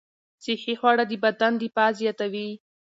صحي خواړه د بدن دفاع زیاتوي.